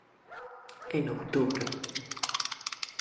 En outubro.